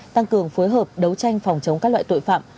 tăng cường phối hợp đấu tranh phòng chống các loại tội phạm